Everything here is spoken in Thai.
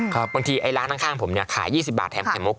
บางทีร้านข้างผมขาย๒๐บาทแถมแข่งมุก